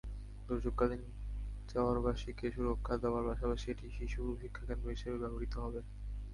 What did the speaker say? দুর্যোগকালীন চরবাসীকে সুরক্ষা দেওয়ার পাশাপাশি এটি শিশু শিক্ষাকেন্দ্র হিসেবে ব্যবহৃত হবে।